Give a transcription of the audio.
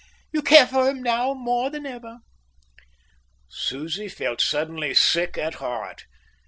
You care for him now more than ever." Susie felt suddenly sick at heart.